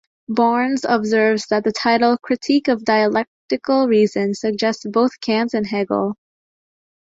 Barnes observes that the title "Critique of Dialectical Reason" "suggests both Kant and Hegel.